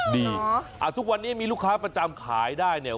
ทุกวันนี้มีลูกค้าประจำขายได้เนี่ย